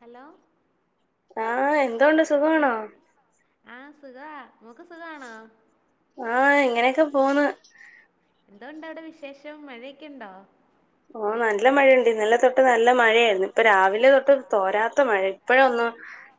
Hello ആ എന്തോണ്ട് സുഖമാണോ സുഖ നമുക്ക് സുഖമാണോ എങ്ങനെയൊക്കെ പോന്ന് എന്തോണ്ട് അവിടെ വിശേഷം മഴയൊക്കെ ഉണ്ടോ ഓ നല്ല മഴയുണ്ട് ഇന്നലെ തൊട്ട് നല്ല മഴയായിരുന്നു ഇപ്പൊ രാവിലെ തൊട്ട് തോരാത്ത മഴ ഇപ്പോഴ ഒന്ന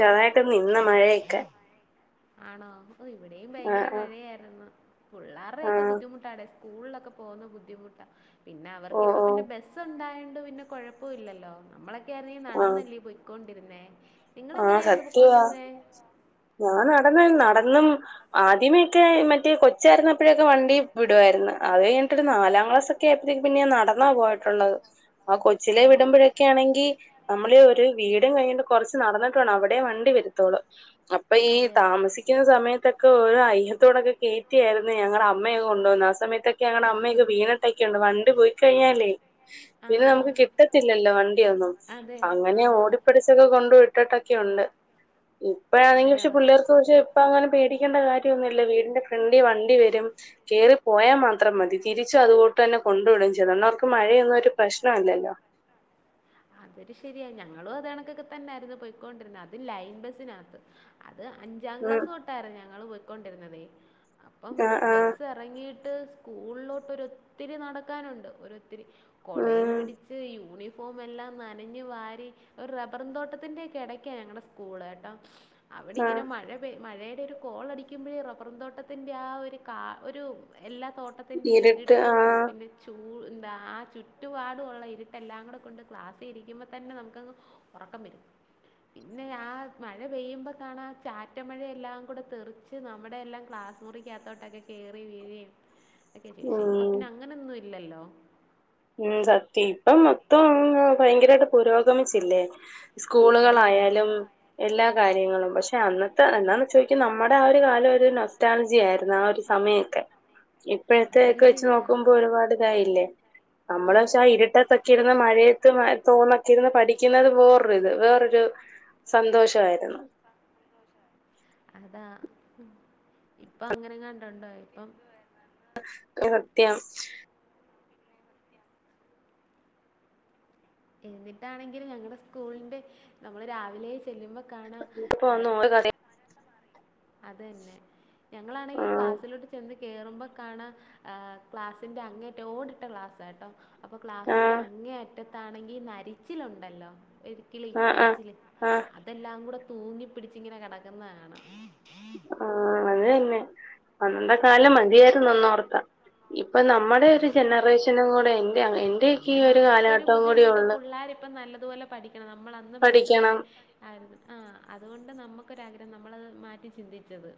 ചെറായിട്ട് നിന്ന മഴയൊക്കെ ആണോ ഓ ഇവിടെയും ഭയങ്കര മഴയായിരുന്നു പിള്ളേരുടെക്കെ ബുദ്ധിമുട്ടാടെ സ്കൂളിലൊക്കെ പോകുന്ന ബുദ്ധിമുട്ടാ പിന്നെ അവർക്ക്പ്പ പിന്നെ ബസ് ഉണ്ടായ പിന്നെ കുഴപ്പില്ലല്ലോ നമ്മളൊക്കെ ആ നടന്നല്ലേ പോയ്ക്കൊണ്ടിരുന്ന നിങ്ങ എങ്ങനെയ ഞൻ നട നട അന്നും ആദ്യമേൊക്കെ മറ്റേ കൊച്ചായിരുന്നപ്പോഴൊക്കെ വണ്ടി വിടുമായിരുന്നു അത് കഴിഞ്ഞിട്ട് നാലാം ക്ലാസ് ഒക്കെ എപ്പോഴേക്കും പിന്നെയെ നടന്നാ പോയിട്ടുള്ളത് ആ കൊച്ചിലെ വിടുമ്പോഴൊക്കെ ആണെങ്കി നമ്മള് ഒരു വീടും കഴിഞ്ഞ് കൊറച്ച് നടന്നിട്ടുണ്ട് അവിടെേ വണ്ടി വരുത്തോളൂ അപ്പൊ ഈ താമസിക്കുന്ന സമയത്തൊക്കെ ഒരോ അയ്യ ത്തോടൊക്കെ കയറ്റിയായിരുന്നു ഞങ്ങളെ [unintelligible] അമ്മയാ കൊണ്ടോന്നേ ആ സമയത്തൊക്കെ അങ്ങനെ അമ്മയൊക്കെ വീണിട്ടൊക്കെണ്ട് വണ്ടി പോയി കഴിഞ്ഞാലേ പിന്നെ നമുക്ക് കിട്ടത്തില്ലല്ലോ വണ്ടിയൊന്നും അങ്ങനെ ഓടിപ്പിടിച്ചൊക്കെ കൊണ്ട് പോയി ഇട്ടിട്ടൊക്കെയുണ്ട് ഇപ്പഴാണെങ്കിൽ പക്ഷെ പുള്ളേർക്ക് പക്ഷെ ഇപ്പ അങ്ങനെ പേടി ക്കേണ്ട കാര്യൊന്നുമില്ല വീടിന്റെ ഫ്രണ്ടിൽ വണ്ടി വരും കേറി പോയാ മാത്രം മതി തിരിച്ചു അതുകുട്ട് തന്നെ കൊണ്ട് വിട്കയും ചെയ്ത് അന്നവർക്ക് മഴയൊന്നും ഒരു പ്രശ്നമല്ലല്ലോ [unintelligible] അതൊര് ശരിയ ഞങ്ങളും അത് കണക്കൊക്കെ തന്നൊയിരുന്നു പോയ്ക്കൊണ്ടിരുന്നത് അത് ലൈൻ ബസിനകത്ത് [unintelligible] അത് അഞ്ചാം ക്ലാസ് തൊട്ടായിരുന്നു ഞങ്ങൾ പോയിക്കൊണ്ടിരുന്നത് അപ്പം ബസ് ബസ്സ് ഇറങ്ങീ ട്ട് സ്ക്കൂളിലോട്ടൊരൊത്തിരി നടക്കാനുണ്ട് ഒരൊത്തിരി കൊടയും പിടിച്ച് യൂണിഫോ ഫോമെല്ലാം നനഞ്ഞു വാരി ഒരു റബറും തോട്ടത്തിന്റെക്കെ എടക്കാ ഞങ്ങടെ സ്കൂള് കേട്ടോ അവിടെ ഇങ്ങനെ മഴ പെ മഴയുടെ ഒരു കോളടിക്കുമ്പൊഴേ റബറും തോട്ടത്തിന്റെ ആ ഒരു കാ ഒരു എല്ലാ തോട്ടത്തിന്റെ ഇരിട്ടും പിന്നെ ചു [unintelligible] ആ ചുറ്റുപാടുമുള്ള ഇരുട്ടെല്ലാം കൂടെ കൊണ്ട് ക്ലാസ് ഇരിക്കുമ്പോ തന്നെ നമുക്കങ്ങ് ഉറക്കം വരും പിന്നെ ആ മഴ പെയ്യുമ്പോ കാണാ ചാറ്റൽ മഴയെല്ലാം കൂടെ തെറിച്ച് നമ്മുടെ എല്ലാം ക്ലാ [unintelligible] മുറിക്കകത്തോട്ടൊക്കെ കേറി വീഴേം ഒക്കെ ചെയ്യും പക്ഷെ ഇപ്പൊ അങ്ങനൊന്നും ഇല്ലല്ലോ ഉം സത്യം ഇപ്പം മൊത്തം അങ്ങ് ഭയങ്കരായിട്ട് പുരോഗമിച്ചില്ലേ സ്കൂളുകളായാലും എല്ലാം കാര്യങ്ങളും പക്ഷേ അന്നത്തെ എന്താന്നെച്ചാ ശരിക്കും നമ്മുടെ ആ ഒരു കാലം ഒര് നൊസ്റ്റാൾജിയ ആയിരുന്നു ആ ഒരു സമയത്ത് [unintelligible] ഇപ്പോഴത്തെ ഒക്കെ വെച്ച് നോക്കുമ്പോ ഒരുപാട് ഇതായില്ലെ നമ്മള് പക്ഷെ ആ ഇരുട്ടത്ത് ത്തിരുന്ന് മഴയത്ത് മഴ തോർന്നട്ടിരിന്ന് പഠിക്കുന്നത് വേറൊരിത് വേറൊരു സന്തോഷായിരുന്നു അതാ ഇപ്പ അങ്ങനെ അണ്ട് ഉണ്ടോ ഇപ്പം [unintelligible] സത്യം എന്നിട്ടാണെങ്കിലും ഞങ്ങടെ സ്കൂളിന്റെ നമ്മള് രാവിലേ ചെല്ലുമ്പം [unintelligible] വന്നു [unintelligible] അത് തന്നെ ഞങ്ങളാണെങ്കിൽ ക്ലാസ്സിലോട്ട് ചെന്ന് കേറുമ്പൊക്കാണ് ഏ ക്ലാസിന്റെ അങ്ങേയറ്റം ഓട് ട്ട ക്ലാസാട്ടോ അപ്പൊ ക്ലാസിന്റെ അങ്ങേയറ്റത്താണെങ്കി നരിച്ചിലുണ്ടല്ലോ ഒരു കിളി നരിച്ചില് അതെല്ലാം കൂടെ തൂങ്ങി പിടിച്ച് ഇങ്ങനെ കിടക്കുന്നെ കാണാ ആ അത് തന്നെ അന്നത്തെ കാലം മതിയായിരുന്നു ഒന്നോർത്താ ഇ ഇപ്പൊ നമ്മുടെ ഒരു ജനറേഷനും കൂടെ എന്റെ എന്റെയൊക്കെ ഈ ഒരു കാലഘട്ടം കൂടി ഉള്ളു നല്ലത് പോലെ പഠിക്കണം നമ്മളന്ന് പഠിച്ചത് പോലെ [unintelligible] ആ അത്കൊ ണ്ട് നമ്മുക്കൊരാഗ്രഹം നമ്മളത് മാറ്റി ചിന്തിച്ചത്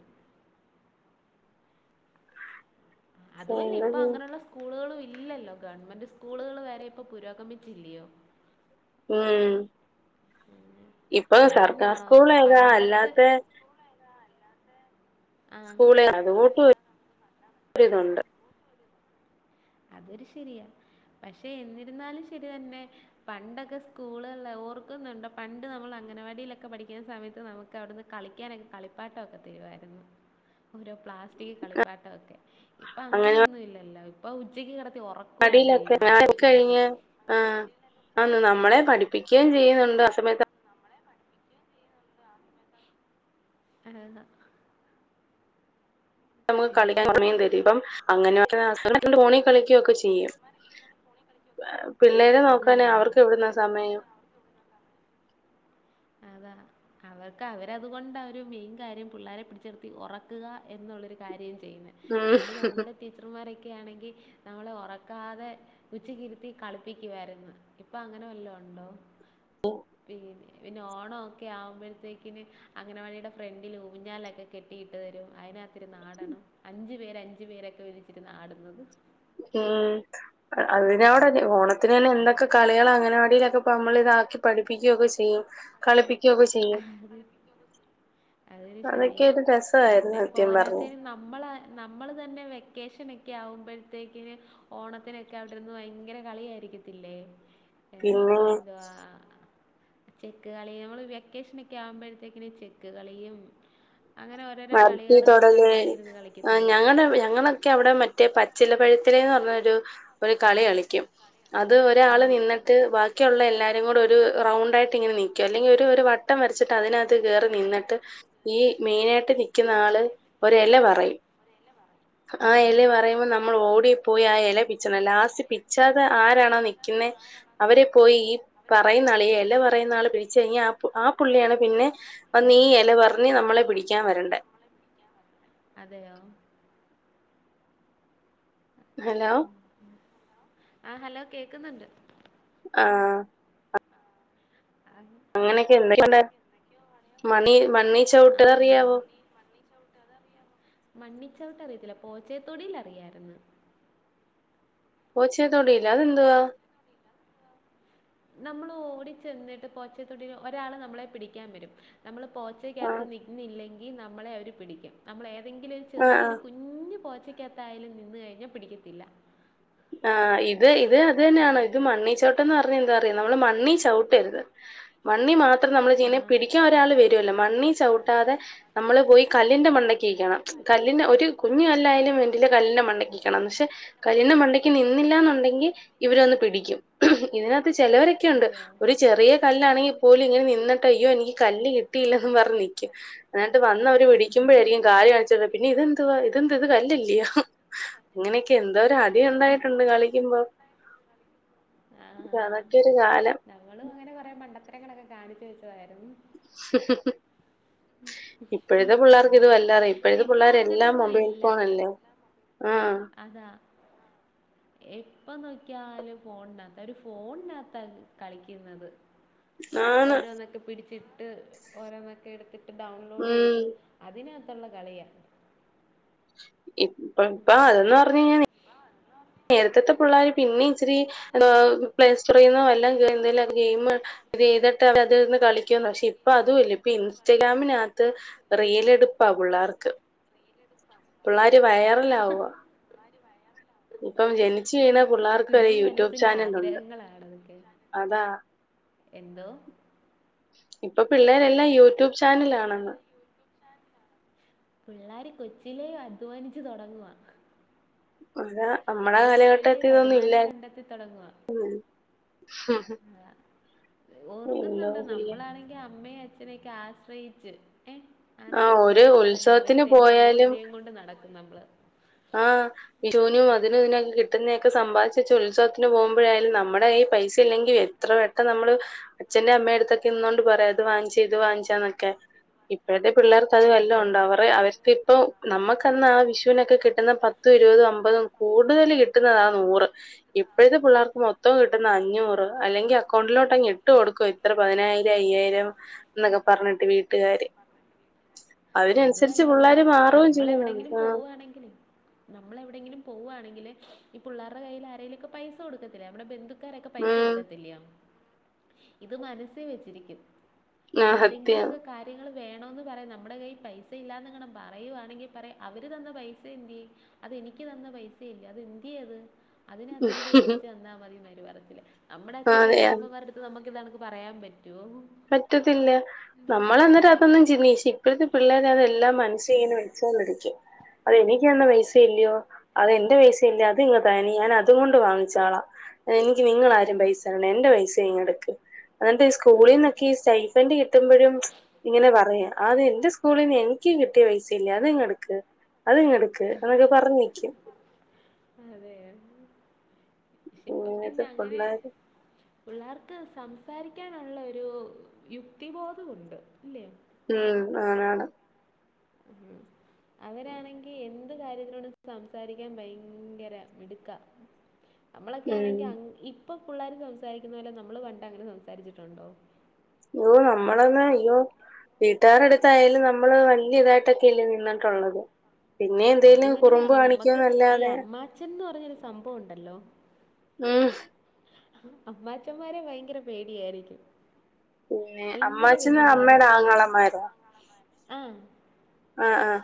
അതും അല്ലേ ഇപ്പൊ അങ്ങനള്ള സ്കൂളുകളും ഇല്ലല്ലോ ഗവൺമെന്റ് സ്കൂളുകൾ വരെ ഇപ്പൊ പുരോഗമിച്ചില്ലയോ ഉം ഇപ്പൊ സർക്കാർ സ്കൂള് ഏതാ അല്ലാത്തെ സ്കൂള ഏ [unintelligible] അതൊരു ശരിയാ പക്ഷെ എന്നിരുന്നാലും ശരി തന്നെ പണ്ടൊക്കെ സ്കൂള് ള്ള ഓർക്കുന്നുണ്ടൊ പണ്ട് നമ്മൾ അംഗനവാടിയിലൊക്കെ പഠിക്കുന്ന സമയത്ത് നമുക്ക് അവിടുന്ന് കളിക്കാനൊക്കെ കളിപ്പാട്ടമൊക്കെ തരു [unintelligible] ഓരോ പ്ലാസ്റ്റിക് കളിപ്പാട്ടം ഒക്കെ ഇപ്പൊ അങ്ങനൊന്നും ഇല്ലല്ലോ ഇപ്പൊ ഉച്ചക്ക് കെട പടിയിലൊക്കെ [unintelligible] നമ്മളെ പഠിപ്പിക്കുകയും ചെയ്യുന്നുണ്ട് ആ സമയത്ത് [unintelligible] നമുക്ക് കളിക്കാൻ സമയം തരും ഇപ്പം അങ്ങനെ [unintelligible] ഫോണിൽ കളിക്കുവൊക്കെ ചെയ്യും പിള്ളേരെ നോക്കാന് അവർക്ക് എവിടുന്നാ സമയം അതാ അവർക്ക് അവരതുകൊണ്ട് അ ഒരു മെയിൻ കാര്യം പിള്ളേരെെ പിടിച്ച് കിടത്തി ഉറക്കുക എന്നുള്ളൊരു കാര്യം ചെയ്യുന്ന പണ്ട് നമ്മുടെ ടീച്ചർമാരൊ ക്കെ ആണെങ്കിൽ നമ്മളെ ഉറക്കാതെ ഉച്ചക്കിരുത്തി കളിപ്പിക്കുമായിരുന്നു ഇപ്പം അങ്ങനെ വല്ലതും ഉണ്ടോ ണ്ടോ പിന്നെ പിന്നെ ഓണമൊക്കെ ആകുമ്പോഴത്തേക്കിന് അംഗനവാടിയുടെ ഫ്രണ്ടിൽ ഊഞ്ഞാലൊക്കെ കെട്ടിയിട്ട് തരും അതിനക ഇരുന്നാടണം അഞ്ചു പേര് അഞ്ചു പേരൊക്കെ ഒരുമിച്ചിരുന്നാടുന്നത് ഉം അതിനവിടെ ഓണത്തിന് തന്നെ എന്തൊക്കെ കളികൾ അങ്കനവാടിയിലൊക്കെ അപ്പ നമ്മളെ ഇതാക്കി പഠിപ്പിക്കുകയൊക്കെ ചെയ്യും കളിപ്പിക്കുകയൊക്കെ ചെയ്യും അതൊരു ശെരിയാ പിന്നെ പോരാത്തേന് നമ്മൾ നമ്മള് തന്നെ വെക്കേഷൻ ക്കെ ആകുമ്പോഴത്തേക്കിന് ഓണത്തിനൊക്കെ അവിടെന്ന് ഭയങ്കര കളിയായിരിക്കത്തില്ലേ പിന്നെ ചെക്ക് കളി നമ്മള് വെക്കേഷനൊക്കെ ആവുമ്പോഴത്തേക്കിന് ചെക്ക് കളിയും മരത്തി തൊടല് ഞങ്ങള് ഞങ്ങളൊക്കെ അവിടെ മറ്റേ പ ച്ചില പഴുത്തലേന്ന് പറെഞ്ഞൊരു കളി കളിക്കും അത് ഒരാള് നിന്നിട്ട് ബാക്കിയുള്ള എല്ലാരും കൂടെ ഒരു റൗണ്ട് ആയിട്ട് ഇങ്ങനെ നിക്കും അല്ലെങ്കിൽ ഒരു വട്ടം വരച്ചിട്ട് അതിനകത്ത്കയറി നിന്നിട്ട് ഈ മെയിനായിട്ട് നിക്കുന്ന ആള് ഒരു ഇല പറയും ആ ഇല പറയുമ്പോൾ നമ്മൾ ഓടിപ്പോയി ആ ഇല പി ച്ചണം ലാസ്റ്റ് പിച്ചാതെ ആരാണോ നിക്കുന്നെ അവരെ പോയി ഈ പറയുന്ന ആള് ഈ ഇലപറയു യുന്നാള് പിടിച്ച് കഴിഞ്ഞാ ആ പുള്ളിയാണ് പിന്നെ വന്ന് ഈ ഇല പറയുന്നാള് അതെയോ ഹലോ ആ ഹലോ കേൾക്കുന്നുണ്ട് ആഹ് അങ്ങനെയൊക്കെ എന്തൊര് മണി മണ്ണി ചവിട്ട് അറിയാവോ ചവിട്ട് അറിയത്തില്ല പോച്ചേത്തൊടീൽ അറിയായിരുന്നു പോച്ചേ തൊടീലോ അതെന്തുവാ നമ്മൾ ഓടി ചെന്നിട്ട് പോച്ചെത്തൊടീല് ഒരാള് നമ്മളെ പിടിക്കാൻ വരും നമ്മൾ പോച്ചയ്ക്കകത്ത് നിന്നില്ലെങ്കിൽ നമ്മളെ അവര് പിടിക്കും നമ്മൾ ഏതെങ്കിലും ഒരു ചെറിയൊരു കുഞ്ഞു പോച്ച ക്കത്തായാലും നിന്ന് കഴിഞ്ഞാൽ പിടിക്കത്തില്ല ആ് ഇത് ഇത് അത് തന്നെയണോ ഇത് മണ്ണി ചവിട്ടെന്ന് പറഞ്ഞാ എന്താ പറയാ നമ്മള് മണ്ണി ചവിട്ടരുത് മണ്ണി മാത്ര ത്രം നമ്മൾ ഇങ്ങനെ പിടിക്കാൻ ഒരാൾ വരൂല്ലോ മണ്ണിൽ ചവിട്ടാതെ നമ്മള് പോയി കല്ലിന്റെ മണ്ട ണം കല്ലിന്റെ ഒരു കുഞ്ഞു കല്ലായാലും വേണ്ടില്ല കല്ലിന്റെ മണ്ടക്കു നിക്കണം പക്ഷെ കല്ലിന്റെ മണ്ട ക്ക് നിന്നില്ല എന്നുണ്ടെങ്കിൽ ഇവര് വന്ന് പിടിക്കും ഇതിന ചെലവരൊക്കെ ഉണ്ട് ഒരു ചെറിയ കല്ലാണെങ്കിൽ പോലും ഇങ്ങനെ നിന്ന് അയ്യോ എനിക്ക് കല്ല് കിട്ടിയില്ലന്ന് പറഞ്ഞ് നിക്കും എന്നിട്ട് വന്നവർ പിടിക്കുമ്പോഴായിരിക്കും കാല് കാണിക്കുന്നേ പിന്നെ ഇത് എന്തുവാ ഇതെന്ത് ഇത് കല്ലല്ലയോ അങ്ങനെയൊക്കെ എന്തോരം അടി ഉണ്ടായിട്ടു ണ്ട് കളിക്കുമ്പോ അതൊക്കെ ഒരു കാലം അതൊക്കെ കാണിച്ചു വെച്ചതായിരുന്നു മ്ഹ്ഹ് [unintelligible] ഇപ്പോഴത്തെ പിള്ളേർക്ക് ഇത് വല്ലോ അറിയോ ഇപ്പോഴത്തെ പിള്ളേര് എല്ലാം മൊബൈൽ ഫോൺ അല്ലേ ആ അതാ എപ്പൊ നോക്കിയാലും ഫോണിനാത്താ അവരു ഫോൺനാത്താ കളിക്കുന്നത് ഓരോന്നൊക്കെ പിടിച്ചിട്ട് ഓരോന്നൊക്കെ എടുത് ഡൗൺലോഡെയ്ത് അതിനാത്തുള്ള കളിയാ ഇപ്പം ഇപ്പം അതെന്ന് പറഞ്ഞ് കഴിഞ്ഞാ നേര്ത്തത്ത പുള്ളാര് പിന്നെയും ഇച്ചിരി എന്തോ പ്ലേസ്റ്റോറീന്നോ വല്ലോം കേറി എല്ലാം ഗെയിമ് ഇതെയ്തിട്ട് അവ അതിൽന്ന് കളിക്കും പക്ഷെ ഇപ്പം അതും ഇല്ല ഇപ്പം ഇൻസ്റ്റഗ്രാമിനാത്ത് റീൽ എടുപ്പാ പുള്ളാർക്ക് പുള്ളാര് വയറലാവുവ ഇപ്പം ജനിച്ച് വീണ പുള്ളാർക്ക് വരെ യൂട്യൂബ് ചാനൽ ഉണ്ട് അതാ എന്തോ ഇപ്പം പിള്ളേരെല്ലാം യൂട്യൂബ് ചാനലാണെന്ന് പിള്ളാര് കൊച്ചിലേ അധ്വാനിച്ചു തൊടങ്ങുവാ അതാ അവര് ഇപ്പഴേ വരുമാനം കണ്ടെത്തി തൊടങ്ങുവ അതാ ഓർക്കുന്നുണ്ടോ നമ്മളാണെങ്കി അമ്മയും അ അച്ഛനേക്കെ ആശ്രയിച്ച് ഏ ആശ്രയിച്ചു അവര് പറയുന്ന അവര് തരുന്ന് ഓരുയും കൊണ്ട് നടക്കും നമ്മള് ആഹ് വിഷൂനും അതിനും ഇതിനൊക്കെ കിട്ട് കിട്ടുന്നേക്കെ സമ്പാദിച്ച് വെച്ച് ഉത്സവത്തിന് പോകുമ്പഴായാലും നമ്മടെ കൈ പൈസ ഇല്ലെങ്കിൽ എത്ര വെട്ടം നമ്മള് അച്ഛന്റെയും അമ്മേട്ത്തെക്കെ നിന്നോണ്ട് പറയാം ഇത് വാങ്ങിച്ചാ ഇത് വാങ്ങിച്ചാന്നൊക്കെ പിള്ളേർക്ക് അത് വല്ലോം ഉണ്ടാ അവറെ അവർക്കിപ്പം നമ്മക്കന്ന് ആ വിഷുവിനൊക്കെ കിട്ടുന്ന പത്തും ഇരുവതും അമ്പതും കൂടുതല് കിട്ടുന്നതാ നൂറ് ഇപ്പഴ്ത്ത പുള്ളാർക്ക് മൊത്തോം കിട്ടുന്ന അഞ്ഞൂറ് അല്ലെങ്കി അക്കൗണ്ടിലോട്ടങ്ങ് ഇട്ട് കൊടുക്കുവ ഇത്ര പതിനായിരയി- - അയ്യായിരം എന്നൊക്കെ പറഞ്ഞിട്ട് വീട്ടുകാര് അവര് അനുസ് അതല്ലടാ നമ്മള് എവിടെങ്കിലും പൊവ്വുവാണെങ്കിലേ നമ്മള് എവിടെങ്കിലും പോവുവാണെങ്കില് ഈ പുള്ളാറ്ടെ കയ്യിൽ ആരേലും ഒക്കെ പൈസ കൊടുക്കത്തില്ലെ നമ്മടെ ബന്ധു ക്കരൊക്കെ പൈസ കൊടുക്കത്തില്ല്യോ ഇത് മനസ്സീ വെച്ചിരിക്കും എന്തെങ്കിലും ഒക്കെ കാര്യങ്ങള് വേണോന്ന് പറയാം നമ്മുടെ കയ് പൈസ ഇല്ലന്നങ്ങാണം പറയുവാന്നെങ്കി പറയും അവര് തന്ന പൈസ എന്ത്യേ അത് എനിക്ക് തന്ന പൈസ ഇല്ല അത് എന്ത്യേ ക്കത് അതിനാത്ത് എനിക്ക് വേടിച്ച് തന്നാൽമതി അവര് പറയത്തില്ലേ നമ്മുടെ അച്ഛൻ്റെ മാമ്മമാരട്ത്തും നമുക്കിതാണക്ക് പറയാൻ പറ്റും പറ്റത്തില്ല നമ്മളന്നിട്ടം അതൊന്നും ചിന്തിചി ഇപ്പഴത്തെ പിള്ളേരതെൽ മനസി ഇങ്ങനെ വെച്ചോണ്ടിരിക്കും അത് എനിക്ക് തന്ന പൈസ അല്ലിയോ അതെന്റെ പൈസയല്ലേ അത് ഇങ്ങ താ ഇനി ഞാൻ അതും കൊണ്ട് വാങ്ങിച്ചോളാം എനിക്ക് നിങ്ങളാരും പൈസ തരണ്ട എന്റ പൈസ ഇങ്ങ് എടുക്ക് എന്നിട്ട് ഈ സ്കൂളിന്നൊക്കെ സ്റ്റൈഫൻ്റ് കിട്ടുമ്പഴും ഇങ്ങനെ പറയാം അത് എൻ എന്റെ സ്കൂളീന്ന് എനിക്ക് കിട്ടിയ പൈസയല്ലേ അത് ഇങ്ങ് എടുക്ക് അതും ഇങ്ങ് എടുക്ക് എന്നൊക്കെ പറഞ്ഞ് നിക്കും അതെ ഇപ്പം പിന്നെ അങ്ങനെ പിള്ളാർക്ക് സംസ് സംസാരിക്കാനുള്ള ഒരു യുക്തിബോധവുണ്ട് ഇല്ലേ ഉം ആണ് ആണ് ഉം അവരാണെങ്കി എന്ത് കാര്യത്തിനോടും സംസാരിക്കാൻ ഭയങ്കര മിടുക്ക [inaudible] നമ്മളൊക്കെ ആണെങ്കി അങ് ഇപ്പം പുള്ളാര് സംസാരിക്കുന്ന പോലെ നമ്മള് പണ്ട് അങ്ങനെ സംസാരിച്ചിട്ടുണ്ടോ ഓ നമ്മളന്ന് അയ്യോ വീട്ടുകാരു അടുത്തായാലും നമ്മള് വല്ല്യ ഇതായിട്ടൊക്കെ അല്ലി നിന്നിട്ടുള്ളത് പിന്നേം എന്തേലും കുറുമ്പ് കാണിക്കോന്നല്ലാതെ ഒരു സംഭവം ഉണ്ടല്ലോ ഉം അമ്മാച്ചന്മാരെ ഭയങ്കര പേടിയായിരിക്കും പിന്നെ അമ്മാച്ചന്ന് അമ്മയുടെ ആങ്ങളമാരോ? ആഹ് ആഹ ആ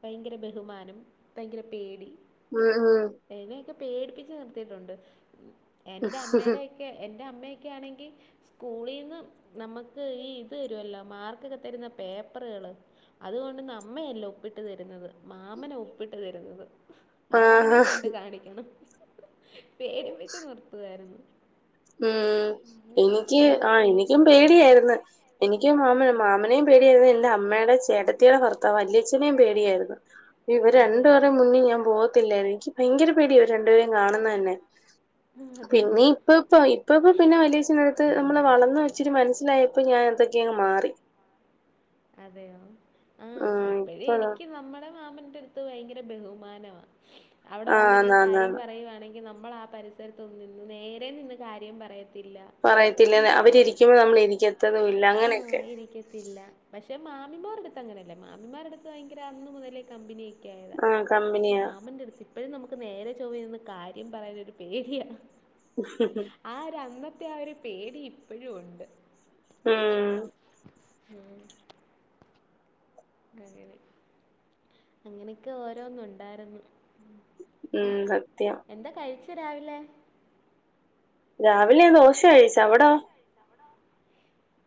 ഭയങ്കര ബഹുമാനം, ഭയങ്കര പേടി ഉം ഉം പേടിപ്പിച്ച് നിർത്തിട്ടുണ്ട് എന്റെ അമ്മയുടെയൊക്കെ എൻ എന്റെ അമ്മയൊക്കെ ആണെങ്കിൽ സ്കൂളിൽന്ന് നമുക്ക് ഈ ഇത് തരുമല്ലോ മാർക്കൊക്കെ തരുന്ന പേപ്പ റുകള് അതൊണ്ട്ന്ന് അമ്മയല്ലൊപ്പിട്ട് തരുന്നത് മാമന ഒപ്പിട്ട് തരുന്നത് മാമനെ കൊണ്ട് കാണിക്കണം പേടിപ്പിച്ചു നിർത്തുവാരുന്നു. ഉം എനിക്ക് ആ എനിക്കും പേടിയായിരുന്നു. എനിക്കും മാമനേം പേടിയായിരുന്നു എന്റെ അമ്മയുടെ ചേട്ടത്തിയുടെ ഭർത്താവ് വല്യച്ഛനേയും പേടിയായിരുന്നു. ഇവർടെ രണ്ടുപേർടേം മുന്നിൽ ഞാൻ പോവത്തില്ലായിരുന്നു എനിക്ക് ഭയങ്കര പേടിയ ഇവരെ രണ്ടുപേരും കാണുന്ന തന്നെ. ആ അതെ ഇപ്പ ഇപ്പ ഇപ്പ ഇപ്പോ പിന്നെ വല്യച്ഛൻ ന്റടുത്തു നമ്മള വളർന്ന് ഇച്ചിരി മനസ്സിലായപ്പോ അപ്പൊ ഞാൻ എന്തൊക്കെയങ്ങ് മാറി. അതെയോ ആഹ ഇപ്പഴേ എനിക്ക് നമ്മുടെ മന്റെ അടുത്ത് ഭയങ്കര ബഹുമാനവ അവിടെ വന്നിരുന്ന് കാര്യം പറയുവാണെങ്കി - നമ്മൾ ആ പരിസരത്ത നിന്ന് നേരെ നിന്ന് കാര്യം പറയ- പറയത്തില്ല അവരിരിക്കുമ്പോ നമ്മൾ ഇരിക്കത്തതും ഇല്ല അങ്ങനെയൊക്കെ പക്ഷെ മാമിമാരുടെ അടുത്ത് അങ്ങന അല്ലേ മാമിമാരുടെടുത്ത് ഭയങ്കര അന്ന് മുതലേ കമ്പനിയ ആഹ കമ്പനിയാ എപ്പോഴും നമുക്ക് നേരെ ചോവേന്ന് കാര്യം പറയാന ഒരു പേടിയാ ആ ഒരു അന്നത്തെ ത്തെ ആ ഒരു പേഡി ഇപ്പോഴും ഉണ്ട്. ഉം ഉം അങ്ങനെ അങ്ങനെയൊക്കെ ഓരോന്നും ഉണ്ടായിരുന്നു ഉം സത്യം [unintelligible] രാവിലേ രാവിലെ ദോശ കഴിച്ച് അവിടൊ?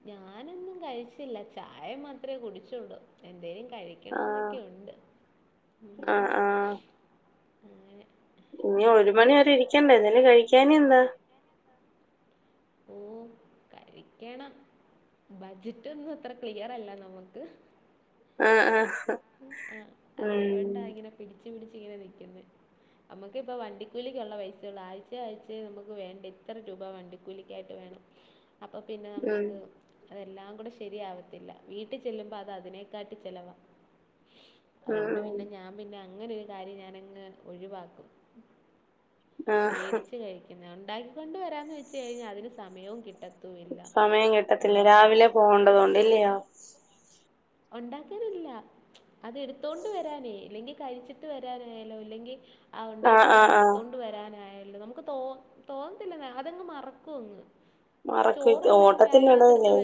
ഞാനൊന്നും കഴിച്ചില്ല ചായ മാത്രേ കുടിച്ചോളു എന്തേലും കഴിക്കണോന്നൊക്കെ ഇണ്ട് ഇനി ഒരു മണി വരെ ഇരിക്കണ്ടെ എന്തേലും കഴിക്കാനെ എന്താ? ഓ കഴിക്കണം ബഡ്ജറ്റ് ഒന്നും അത്ര ക്ലിയറല്ല നമുക്ക് ആഹ് ആഹ് ആ അതുകൊണ്ടാ ഇങ്ങനെ പിടിച്ച് പിടിച്ച് ഇങ്ങനെ നിക്കുന്നെ നമുക്ക് ഇപ്പ വണ്ടിക്കൂലിക്ക് ഉള്ള പൈസേ ഉള്ളൂ ആഴ്ച ആഴ്ചേ നമുക്ക് വേണ്ട ഇത്ര രൂപ വണ്ടിക്കൂലിക്കായിട്ട് വേ ണം അപ്പൊ പിന്നെ നമുക്ക് അതെല്ലാം കൂടെ ശരിയാവത്തില്ല വീട്ടിൽ ചെല്ലുമ്പോ അത് അതിനേക്കാട്ടി ചെലവാ. അതുകൊണ്ട് പിന്നെ ഞാൻ പിന്നെ അങ്ങനൊരു കാര്യം ഞാനങ്ങ് ഒഴിവാക്കും. പേടിച്ചു കഴിക്കുന്നയ, ഉണ്ടാക്കിക്കൊണ്ട് വരാന്ന് വെച്ച് കഴിഞ്ഞാൽ അതിന് സമയവും കിട്ടത്തില്ല സമയം കിട്ടത്തില്ല രാവിലെ പോണ്ടതു കൊണ്ട്ല്ലയോ. ഉണ്ടാക്കറില്ല, അത് എടുത്തോണ്ട് വരാനേ ഇല്ലെങ്കി കഴിച്ചിട്ട് വരാനായാലോ ഇല്ലെങ്കിൽ ആ ഉണ്ടാക്കിയ സാധനം എടുത്തോണ്ട് വരാനായല്ലോ നമുക്ക് തോ തോന്നത്തില്ലെന്ന അതങ്ങ് മറക്കും അങ്ങ് മറക്കും ഓട്ടത്തിന്റെ എടേലെ